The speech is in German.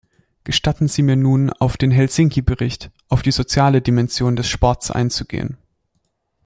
Gestatten Sie mir nun, auf den Helsinki-Bericht, auf die soziale Dimension des Sports einzugehen.